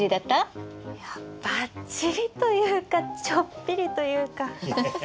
いやばっちりというかちょっぴりというか。